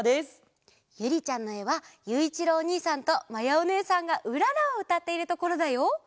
ゆりちゃんのえはゆういちろうおにいさんとまやおねえさんが「うらら」をうたっているところだよ。